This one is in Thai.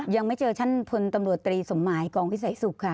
ยังไม่เจอท่านพลตำรวจตรีสมหมายกองวิสัยสุขค่ะ